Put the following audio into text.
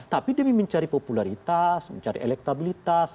tapi demi mencari popularitas mencari elektabilitas